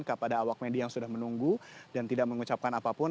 kepada awak media yang sudah menunggu dan tidak mengucapkan apapun